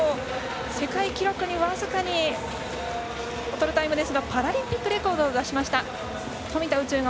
世界記録に僅かに劣るタイムですがパラリンピックレコードを出しました。